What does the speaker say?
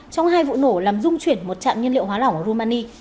trong hai vụ nổ làm dung chuyển một trạm nhiên liệu hóa lỏng ở rumani